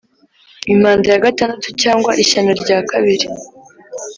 Impanda ya gatandatu cyangwa ishyano rya kabiri